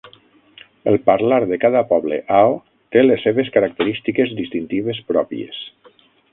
El parlar de cada poble Ao té les seves característiques distintives pròpies.